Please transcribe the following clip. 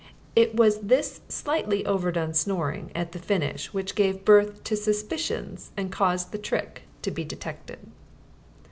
It was this slightly overdone snoring, at the finish, which gave birth to suspicions and caused the trick to be detected.